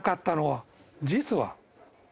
実は。